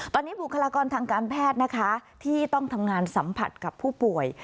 ตอนนี้บุคลากรทางการแพทย์นะคะที่ต้องทำงานสัมผัสกับผู้ป่วย